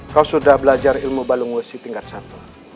kau sudah belajar ilmu balung besi tingkat satu